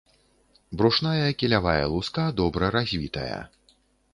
Брушная кілявая луска добра развітая.